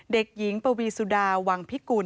เด็กหญิงปวีสุดาวังพิกุล